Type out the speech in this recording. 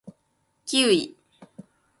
キウイ